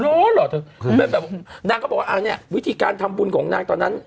เหรอเธอคือแบบนางก็บอกว่าอ่าเนี่ยวิธีการทำบุญของนางตอนนั้น